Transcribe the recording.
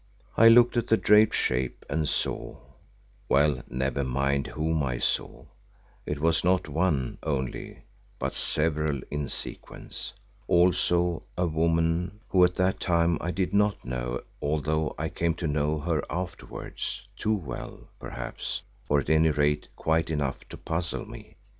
I looked at the draped shape and saw—well, never mind whom I saw; it was not one only but several in sequence; also a woman who at that time I did not know although I came to know her afterwards, too well, perhaps, or at any rate quite enough to puzzle me.